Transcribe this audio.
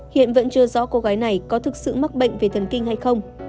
hiện vẫn chưa rõ cô gái này có thực sự mắc bệnh về thần kinh hay không